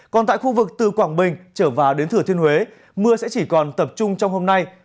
còn tại khu vực từ quảng bình trở vào đến thừa thiên huế mưa sẽ chỉ còn tập trung trong hôm nay